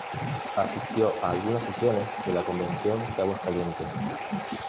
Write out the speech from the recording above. Asistió a algunas sesiones de la Convención de Aguascalientes.